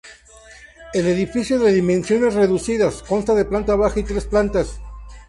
El edificio, de dimensiones reducidas, consta de planta baja y tres plantas.